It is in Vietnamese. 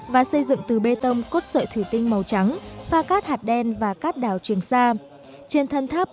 và xây dựng từ bê tông cốt sợi thủy tinh màu trắng pha cát hạt đen và cát đảo trường sa